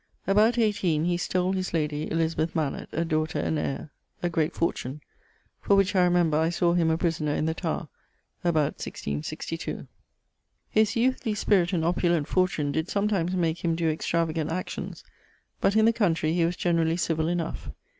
About 18, he stole his lady, Malet, a daughter and heir, a great fortune; for which I remember I sawe him a prisoner in the Tower about 1662. His youthly spirit and oppulent fortune did sometimes make him doe extravagant actions, but in the country he was generally civill enough.